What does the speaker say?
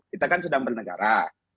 kita kan sedang bernegara